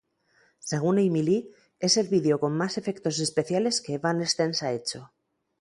Según Amy Lee, es el vídeo con más efectos especiales que Evanescence ha hecho.